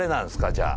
じゃあ。